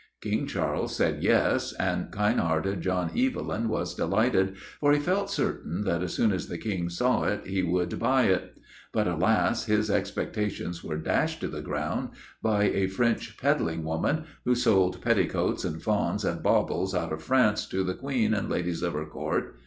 King Charles said 'Yes,' and kind hearted John Evelyn was delighted, for he felt certain that as soon as the King saw it he would buy it. But, alas! his expectations were dashed to the ground by a French 'peddling woman,' who sold 'petticoats and fauns and baubles out of France' to the Queen and the ladies of her Court.